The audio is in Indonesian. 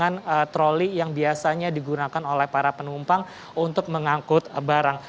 menggunakan troli yang biasanya digunakan oleh para penumpang untuk mengangkut barang